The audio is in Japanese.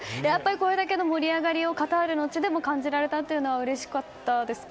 これだけの盛り上がりをカタールの地でも感じられたのはうれしかったですか？